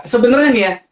sebenarnya nih ya